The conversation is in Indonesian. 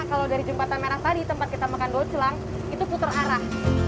kalau dari jembatan merah tadi tempat kita makan bawa celang itu puter arah